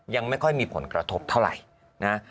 ยังไม่ค่อยมีผลกระทบเท่าไหร่นะ